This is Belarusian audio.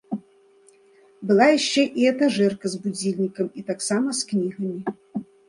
Была яшчэ і этажэрка з будзільнікам і таксама з кнігамі.